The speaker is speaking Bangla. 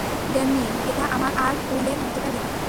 ড্যানি, এটা আমার আর উইলের মধ্যকার ব্যাপার।